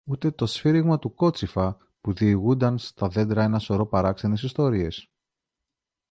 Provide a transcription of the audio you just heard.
ούτε το σφύριγμα του κότσυφα που διηγούνταν στα δέντρα ένα σωρό παράξενες ιστορίες.